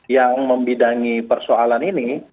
yang membidangi persoalan ini